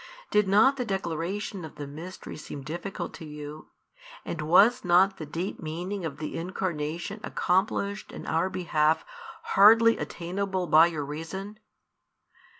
Did not the declaration of the mystery seem difficult to you, and was not the deep meaning of the Incarnation accomplished in our behalf hardly attainable by your reason?